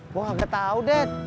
gue gak ketau dad